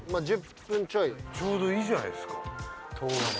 ちょうどいいじゃないですか。